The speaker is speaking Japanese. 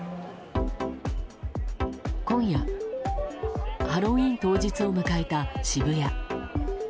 今夜ハロウィーン当日を迎えた渋谷。